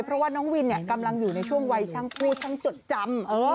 เพราะว่าน้องวินกำลังอยู่ในช่วงวัยช่างพูดช่างจดจำ